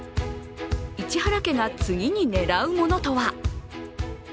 市原家が次に狙うものとは。